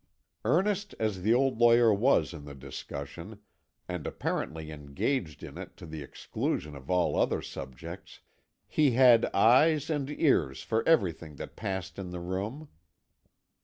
Earnest as the old lawyer was in the discussion, and apparently engaged in it to the exclusion of all other subjects, he had eyes and ears for everything that passed in the room.